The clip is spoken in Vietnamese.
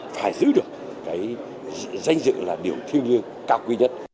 phải giữ được cái danh dự là điều thiêng liêng cao quý nhất